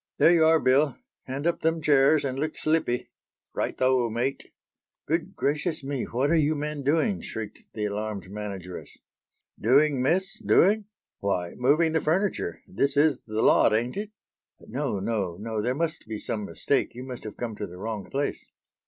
"There you are Bill. Hand up them chairs, and look slippy." "Right o', mate." "Good gracious me, what are you men doing?" shrieked the alarmed manageress. "Doing, miss, doing? Why moving the furniture. This is the lot ain't it?" "No, no, no; there must be some mistake. You must have come to the wrong place."